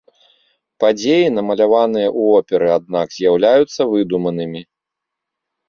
Падзеі, намаляваныя ў оперы, аднак з'яўляюцца выдуманымі.